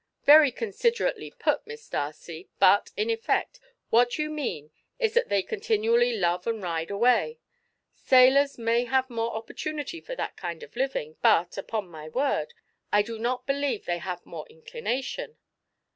"Very considerately put, Miss Darcy; but, in effect, what you mean is that they continually 'love and ride away.' Sailors may have more opportunity for that kind of living, but, upon my word, I do not believe they have more inclination.